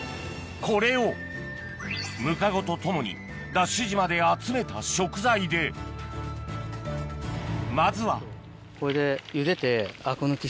これをムカゴとともにＤＡＳＨ島で集めた食材でまずはこれで。